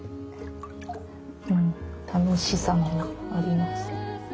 うん楽しさもあります。